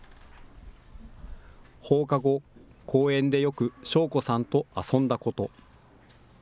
放課後、公園でよく祥子さんと遊んだこと。